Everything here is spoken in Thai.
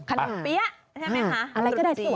ขนมผี้ะใช่ไหมคะ